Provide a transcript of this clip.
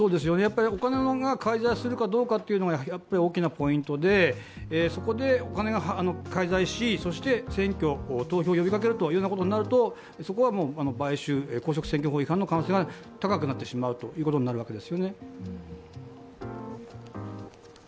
お金が介在するかどうかというのが大きなポイントでそこでお金が介在し、選挙投票を呼びかけるということになるとそこは買収、公職選挙法違反の可能性が高くなってしまうわけです。